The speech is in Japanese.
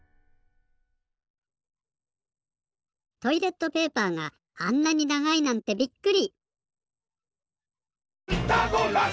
トイレットペーパーがあんなにながいなんてびっくり！